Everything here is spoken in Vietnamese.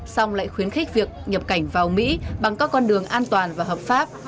xong lại khuyến khích việc nhập cảnh vào mỹ bằng các con đường an toàn và hợp pháp